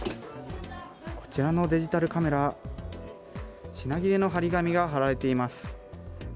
こちらのデジタルカメラ、品切れの貼り紙が貼られています。